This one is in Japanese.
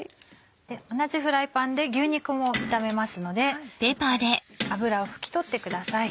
同じフライパンで牛肉も炒めますのでいったん油を拭き取ってください。